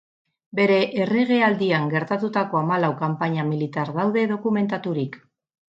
Bere erregealdian gertatutako hamalau kanpaina militar daude dokumentaturik.